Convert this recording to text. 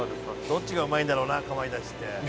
「どっちがうまいんだろうなかまいたちって」